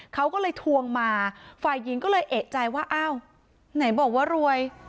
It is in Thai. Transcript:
เขาก็เลยทวงมาฝ่ายหญิงก็เลยเอกใจว่าอ้าว